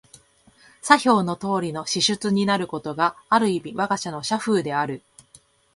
左表のとおりの支出になることが、ある意味わが社の社風である。